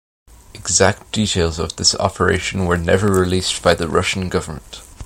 Exact details of this operation were never released by the Russian government.